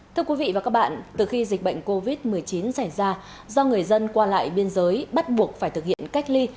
thưa quý vị và các bạn từ khi dịch bệnh covid một mươi chín xảy ra do người dân qua lại biên giới bắt buộc phải thực hiện cách ly